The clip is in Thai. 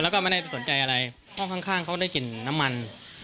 แล้วก็ไม่ได้ไปสนใจอะไรห้องข้างเขาได้กลิ่นน้ำมัน